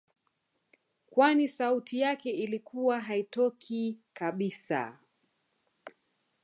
Kwani sauti yake ilikuwa haitokii kabisa